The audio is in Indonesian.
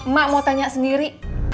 mak mau tanya sendiri